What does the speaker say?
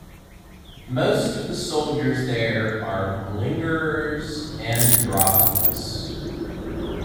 Most of the soldiers there are malingerers and drop-outs.